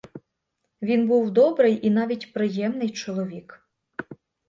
Він був добрий і навіть приємний чоловік.